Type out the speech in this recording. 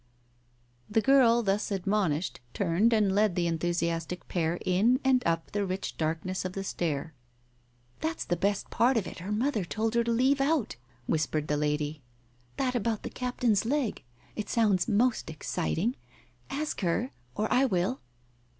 The girl thus admonished, turned and led the en thusiastic pair in and up the rich darkness of the stair. " That's the best part of it her mother told her to leave out! " whispered the lady. "That about the captain's leg. It sounds most exciting. Ask her — or I will."